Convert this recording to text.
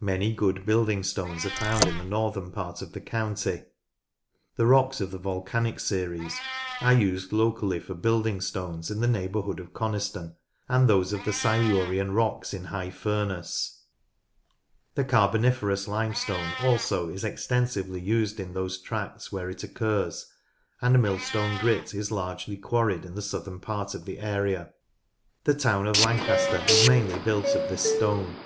Many good building stones are found in the northern part of the county. The rocks of the volcanic series are Slate Quarry : Tilberthwaite MIXES AND QUARRIES L05 used locally for building stones in the neighbourhood of Coniston, and those of the Silurian rocks in High Furness. The Carboniferous Limestone also is extensively used in those tracts where it occurs, and Millstone Grit is largely quarried in the southern part of the area. The town of Lancaster is mainly built of this stone.